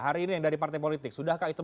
hari ini yang dari partai politik sudahkah itu